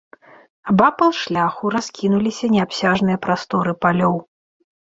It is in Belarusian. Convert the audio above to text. Абапал шляху раскінуліся неабсяжныя прасторы палёў.